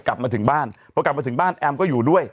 กลับมาถึงบ้านพอกลับมาถึงบ้านแอมก็อยู่ด้วย